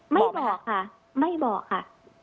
ไม่บอกค่ะไม่บอกค่ะ